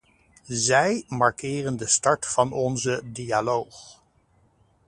Zij markeren de start van onze dialoog.